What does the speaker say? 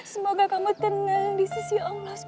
semoga kamu tenang di sisi allah swt